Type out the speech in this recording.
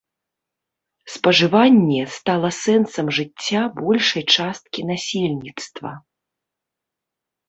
Спажыванне стала сэнсам жыцця большай часткі насельніцтва.